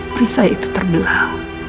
perisai itu terbelah